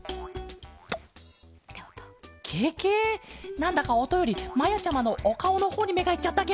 なんだかおとよりまやちゃまのおかおのほうにめがいっちゃったケロ。